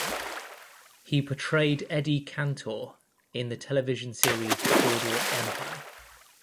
He portrayed Eddie Cantor in the television series "Boardwalk Empire".